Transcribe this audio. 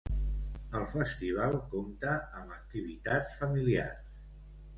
El festival compta amb activitats familiars.